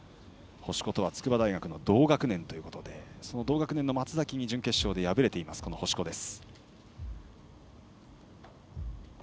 星子とは筑波大学の同学年ということでその同学年の松崎に準決勝で敗れている星子です。